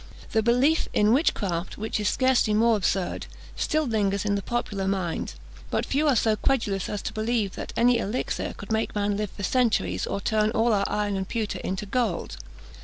The belief in witchcraft, which is scarcely more absurd, still lingers in the popular mind; but few are so credulous as to believe that any elixir could make man live for centuries, or turn all our iron and pewter into gold.